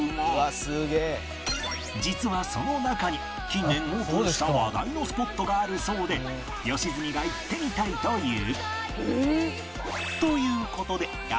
実はその中に近年オープンした話題のスポットがあるそうで良純が行ってみたいという